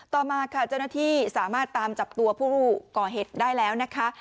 ต่อมาค่ะเจ้าหน้าที่สามารถตามจับตัวผู้ก่อเหตุได้แล้วนะคะ